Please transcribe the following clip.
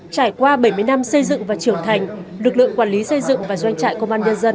trải qua bảy mươi năm xây dựng và trưởng thành lực lượng quản lý xây dựng và doanh trại công an nhân dân